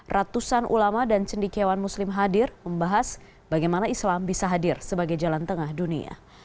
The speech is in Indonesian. ratusan ulama dan cendikiawan muslim hadir membahas bagaimana islam bisa hadir sebagai jalan tengah dunia